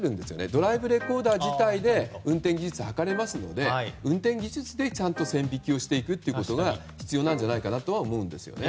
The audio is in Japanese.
ドライブレコーダー自体で運転技術を測れますので運転技術でちゃんと線引きしていくことが必要なんじゃないかとは思うんですね。